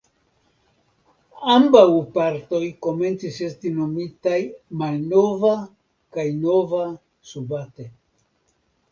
Ambaŭ partoj komencis esti nomitaj Malnova kaj Nova Subate.